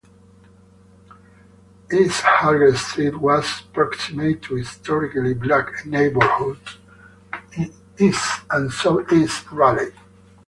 East Hargett Street was proximate to historically black neighborhoods in east and southeast Raleigh.